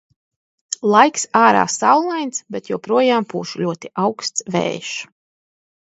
Laiks ārā saulains, bet joprojām pūš ļoti auksts vējš.